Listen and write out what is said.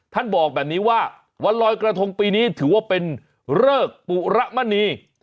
บอกแบบนี้ว่าวันลอยกระทงปีนี้ถือว่าเป็นเริกปุระมณี